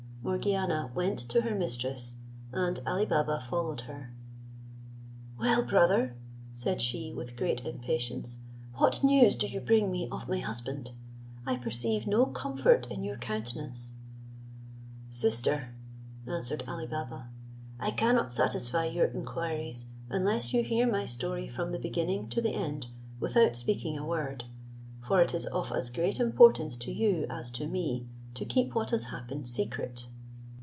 Morgiana went to her mistress, and Ali Baba followed her. "Well, brother," said she, with great impatience, "what news do you bring me of my husband? I perceive no comfort in your countenance." "Sister," answered Ali Baba, "I cannot satisfy your inquiries unless you hear my story from the beginning to the end, without speaking a word; for it is of as great importance to you as to me to keep what has happened secret."